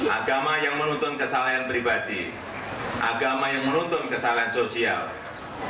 agama yang menuntun kesalahan pribadi agama yang menuntut kesalahan sosial